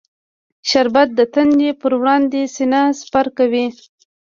شربت د تندې پر وړاندې سینه سپر کوي